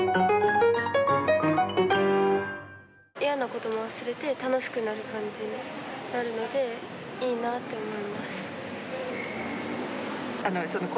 嫌なことも忘れて楽しくなる感じになるのでいいなって思います。